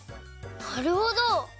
なるほど！